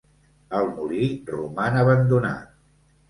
El molí roman abandonat.